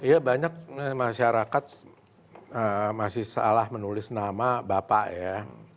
ya banyak masyarakat masih salah menulis nama bapak ya